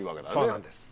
そうなんです。